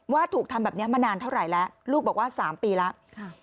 ว่าถูกทำแบบนี้มานานเท่าไหร่แล้วลูกบอกว่า๓ปีแล้ว